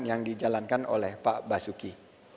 yang dijalankan oleh pak basuki